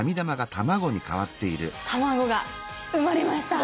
卵が生まれました！